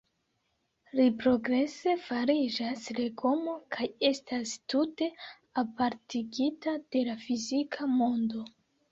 Li progrese fariĝas legomo, kaj estas tute apartigita de la fizika mondo.